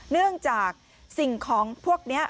เนื่องจากสิ่งของพวกนี้